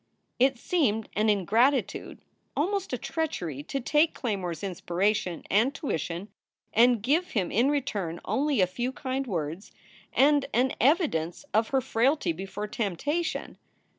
It seemed an ingratitude, almost a treachery, to take Clajinore s inspiration and tuition and give him in return only a few kind words and an evidence of her frailty before temptation.